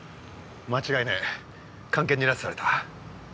間違いねえ菅研に拉致された。